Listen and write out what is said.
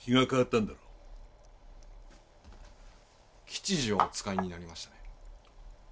吉次をお使いになりましたね？